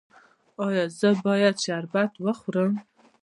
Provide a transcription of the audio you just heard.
ایا زه باید شربت وخورم؟